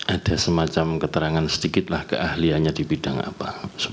ada semacam keterangan sedikitlah keahliannya di bidang apa